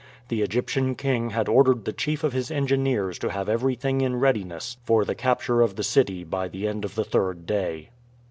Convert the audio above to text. The Egyptian king had ordered the chief of his engineers to have everything in readiness for the capture of the city by the end of the third day.